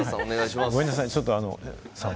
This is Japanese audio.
ごめんなさいね。